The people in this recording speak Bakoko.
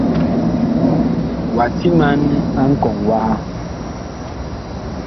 Wa timan a nkɔŋ waha.